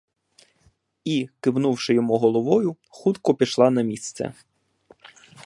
І, кивнувши йому головою, хутко пішла на місце.